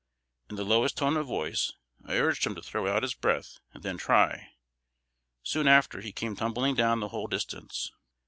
In the lowest tone of voice, I urged him to throw out his breath and then try; soon after, he came tumbling down the whole distance.